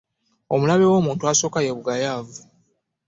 Omulabe w'omuntu asooka ye bugayaavu.